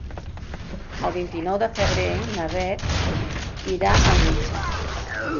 El vint-i-nou de febrer na Beth irà al metge.